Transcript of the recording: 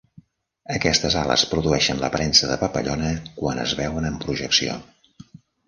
Aquestes ales produeixen l'aparença de papallona quan es veuen en projecció.